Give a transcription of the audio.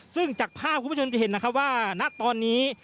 ซึ่งจากภาพคุณผู้ชมจะเห็นนะครับว่าณตอนนี้